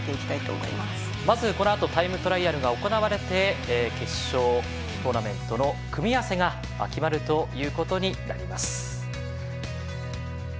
このあと、まずタイムトライアルが行われて決勝トーナメントの組み合わせが決まることになります。